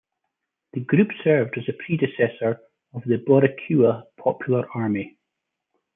The group served as the predecessor of the Boricua Popular Army.